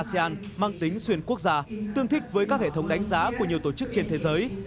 các trường đại học asean mang tính xuyên quốc gia tương thích với các hệ thống đánh giá của nhiều tổ chức trên thế giới